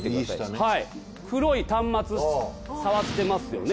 黒い端末触ってますよね。